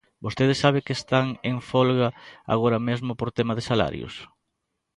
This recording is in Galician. ¿Vostede sabe que están en folga agora mesmo por tema de salarios?